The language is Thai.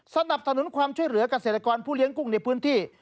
สนับสนุนความช่วยเหลือกเกษตรกรผู้เลี้ยงกุ้งในพื้นที่